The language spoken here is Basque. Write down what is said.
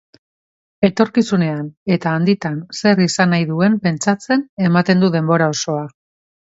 Etorkizunean eta handitan zer izan nahi duen pentsatzen ematen du denbora osoa.